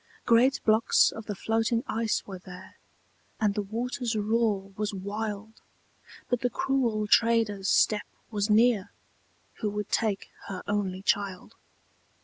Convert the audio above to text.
Great blocks of the floating ice were there, And the water's roar was wild, But the cruel trader's step was near, Who would take her only child.